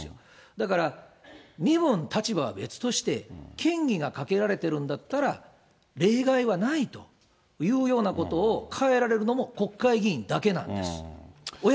だから、身分、立場は別として、嫌疑がかけられてるんだったら、例外はないというようなことを、変えられるのも国会議員だけなんです。